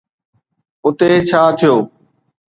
اتي ڇا ٿيو؟